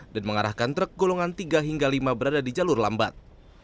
dan mengarahkan truk golongan tiga hingga lima berada di jalur lambat